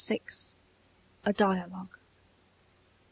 A DIALOGUE.